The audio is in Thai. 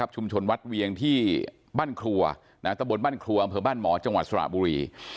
ชุมชนวัดเวียงที่ตระบุลบ้านครัวพรรณบ้านหมอฉวัดสระบุหรี่